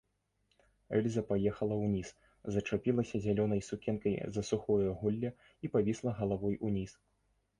Эльза паехала ўніз, зачапілася зялёнай сукенкай за сухое голле і павісла галавой уніз.